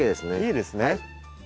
いいですね。